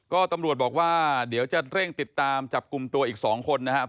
ก็ตำรวจบอกว่าเดี๋ยวจะเร่งติดตามจับกลุ่มตัวอีก๒คนนะครับ